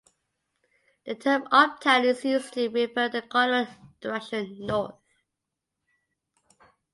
The term "uptown" is used to refer to the cardinal direction north.